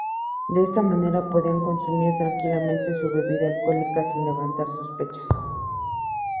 De esta manera podían consumir tranquilamente su bebida alcohólica sin levantar sospecha.